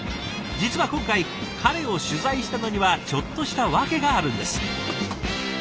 実は今回彼を取材したのにはちょっとした訳があるんです。